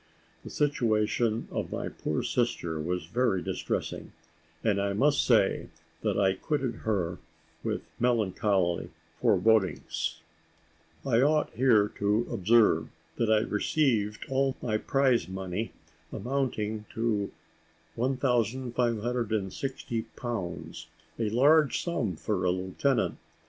The situation of my poor sister was very distressing; and I must say that I quitted her with melancholy forebodings. I ought here to observe, that I received all my prize money amounting to 1560 pounds, a large sum for a lieutenant.